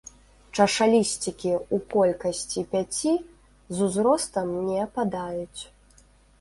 Чашалісцікі ў колькасці пяці, з узростам не ападаюць.